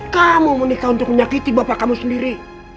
kamu menikah untuk menyakiti bapak kamu sendiri